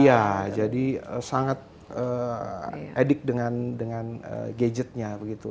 ya jadi sangat addict dengan gadgetnya begitu